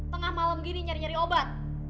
tengah malam gini nyari nyari obat